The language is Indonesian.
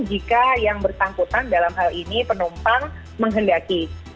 jika yang bersangkutan dalam hal ini penumpang menghendaki